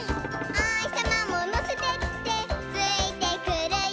「おひさまものせてってついてくるよ」